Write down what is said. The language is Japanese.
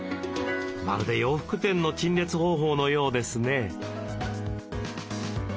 まるで洋服店の陳列方法のようですね。